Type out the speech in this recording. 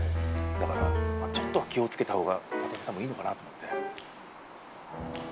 だからちょっとは気をつけたほうが渡辺さんもいいのかなと思って。